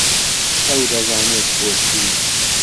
ئەو دەزانێت بۆچی.